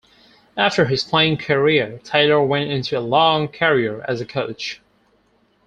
After his playing career, Taylor went into a long career as a coach.